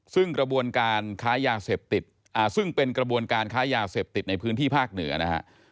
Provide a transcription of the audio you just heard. ซึ่งกระบวนการค้ายาเสพติดซึ่งเป็นกระบวนการค้ายาเสพติดในพื้นที่ภาคเหนือนะฮะ